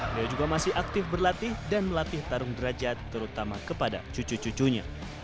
dia juga masih aktif berlatih dan melatih tarung derajat terutama kepada cucu cucunya